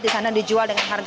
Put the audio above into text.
di sana dijual dengan harga